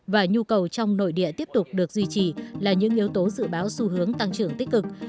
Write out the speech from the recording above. và nhu cầu trong nội địa tiếp tục được duy trì là những yếu tố dự báo xu hướng tăng trưởng tích cực